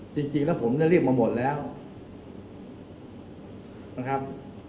จริงแล้วผมได้เรียกมาหมดแล้วนะครับ